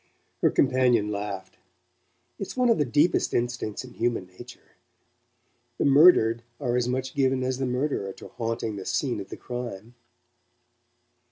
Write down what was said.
Her companion laughed. "It's one of the deepest instincts in human nature. The murdered are as much given as the murderer to haunting the scene of the crime."